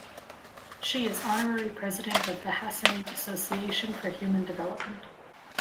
She is Honorary President of the Hassanate Association for Human Development.